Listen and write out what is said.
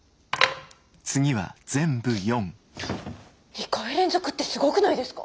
２回連続ってすごくないですか？